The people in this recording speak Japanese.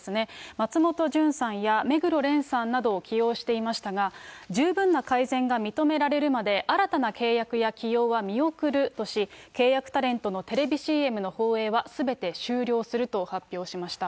松本潤さんや目黒蓮さんなどを起用していましたが、十分な改善が認められるまで、新たな契約や起用は見送るとし、契約タレントのテレビＣＭの放映はすべて終了すると発表しました。